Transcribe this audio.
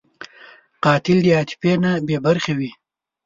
قاتل د عاطفې نه بېبرخې وي